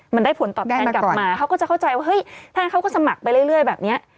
มันได้ผลตอบแทนกลับมาเขาก็จะเข้าใจว่าเฮ้ยท่านเขาก็สมัครไปเรื่อยแบบนี้